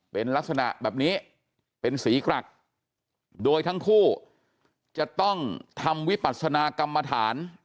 เป็นลักษณะแบบนี้เป็นสีกรักโดยทั้งคู่จะต้องทำวิปัสนากรรมฐาน